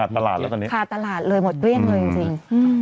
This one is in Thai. ขาดตลาดแล้วตอนนี้ขาดตลาดเลยหมดเรื่องเลยจริงเนี่ย